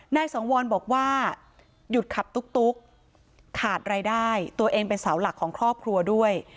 นายสังวรบอกว่าหยุดขับตุ๊กขาดรายได้ตัวเองเป็นเสาหลักของครอบครัวด้วย